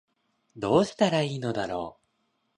どうしたら良いのだろう